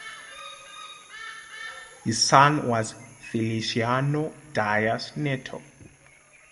His son was Feliciano Dias Neto.